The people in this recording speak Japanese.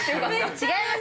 違います